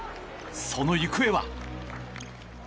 その行方は。